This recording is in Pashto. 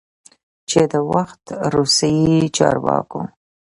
چې د وخت روسی چارواکو،